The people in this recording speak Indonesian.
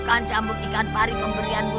bahkan cambuk ikan pari pemberianmu